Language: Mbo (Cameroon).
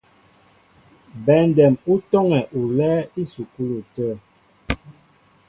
Bɛndɛm ú tɔ́ŋɛ olɛ́ɛ́ ísukúlu tə̂.